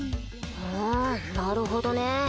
ふんなるほどね。